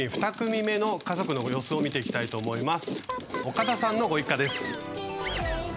岡田さんのご一家です。